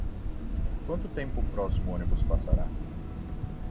Quanto tempo o próximo ônibus passará?